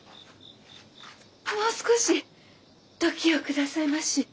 もう少し時を下さいまし。